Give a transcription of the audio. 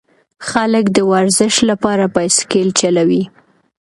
خلک د ورزش لپاره بایسکل چلوي.